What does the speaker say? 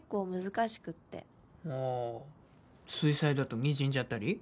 ああ水彩だとにじんじゃったり？